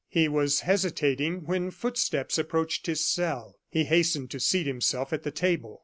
He was hesitating when footsteps approached his cell. He hastened to seat himself at the table.